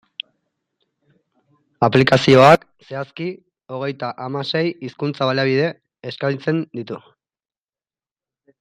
Aplikazioak, zehazki, hogeita hamasei hizkuntza-baliabide eskaintzen ditu.